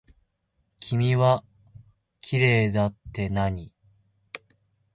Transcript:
君はきれいだってなに。